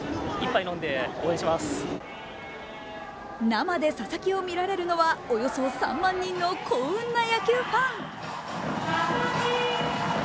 生で佐々木を見られるのはおよそ３万人の幸運な野球ファン。